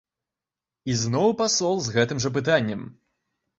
Ізноў пасол з гэтым жа пытаннем.